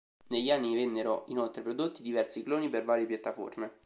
Negli anni vennero inoltre prodotti diversi cloni per varie piattaforme.